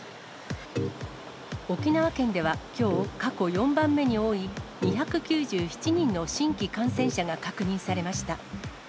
沖縄県ではきょう、過去４番目に多い２９７人の新規感染者が確認されました。